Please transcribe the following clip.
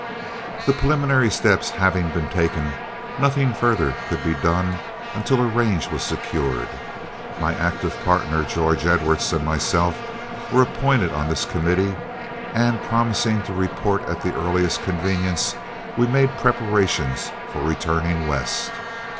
The preliminary steps having been taken, nothing further could be done until a range was secured. My active partner, George Edwards, and myself were appointed on this committee, and promising to report at the earliest convenience, we made preparations for returning West.